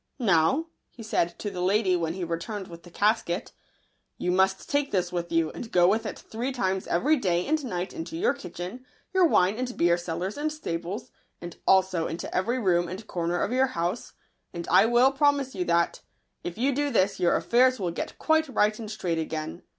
" Now," he said to the lady, when he returned with the casket, " you must take this with you, and go with it three times every day and night into your kitchen, your wine and beer cellars and stables, and also into every room and corner of your house ; and I will promise you that, if you do this, your affairs will get quite right and straight again.